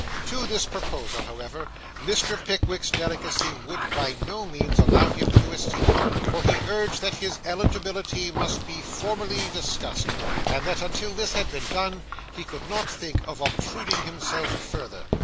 To this proposal, however, Mr. Pickwick's delicacy would by no means allow him to accede, for he urged that his eligibility must be formally discussed, and that, until this had been done, he could not think of obtruding himself further.